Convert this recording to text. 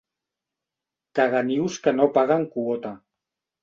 Caganius que no paguen quota.